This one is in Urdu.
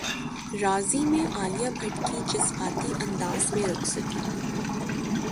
راضی میں عالیہ بھٹ کی جذباتی انداز میں رخصتی